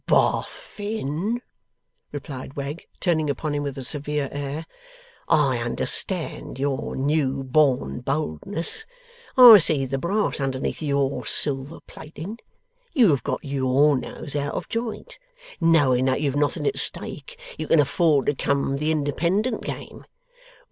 'Bof fin!' replied Wegg, turning upon him with a severe air, 'I understand YOUR new born boldness. I see the brass underneath YOUR silver plating. YOU have got YOUR nose out of joint. Knowing that you've nothing at stake, you can afford to come the independent game.